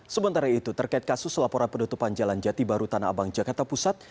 sementara itu terkait kasus laporan penutupan jalan jati baru tanah abang jakarta pusat